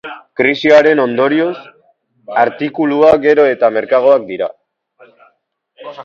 Krisiaren ondorioz, artikuluak gero eta merkeagoak dira.